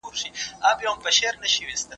موږ باید د ساینس او فضا په اړه ډېر څه زده کړو.